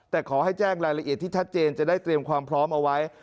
แต่ขอให้แจ้งรายละเอียดที่ชัดเจนจะได้เตรียมความพร้อมเอาไว้